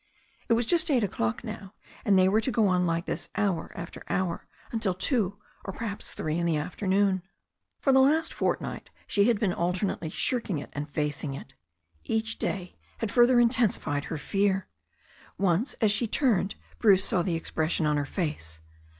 It was just eight o'clock now, and they were to go on like this hour after hour, until two, or perhaps three in the afternoon. For the last fortnight she had been alternately shirking it and facing it. Each day had further intensified her fear. Once, as she turned, Bruce saw the expression on her face.